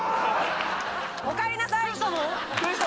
おかえりなさい。